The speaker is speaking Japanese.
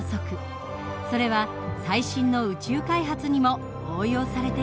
それは最新の宇宙開発にも応用されているのです。